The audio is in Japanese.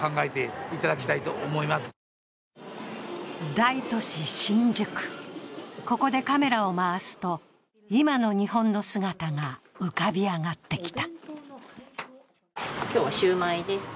大都市・新宿、ここでカメラを回すと今の日本の姿が浮かび上がってきた。